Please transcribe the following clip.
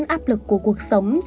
áp lực của cuộc sống